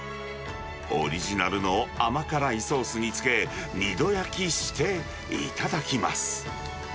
オリジナルの甘辛いソースにつけ、２度焼きしていただきます。